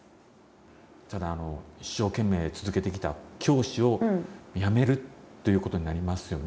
ただ一生懸命続けてきた教師を辞めるということになりますよね。